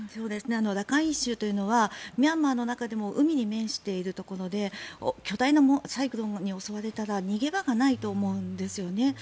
ラカイン州というのはミャンマーの中でも海に面しているところで巨大なサイクロンに襲われたら逃げ場がないと思うんですよね。